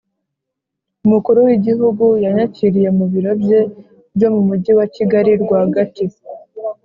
umukuru w'igihugu yanyakiriye mu biro bye byo mu mujyi wa kigali rwagati.